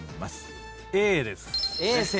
Ａですね。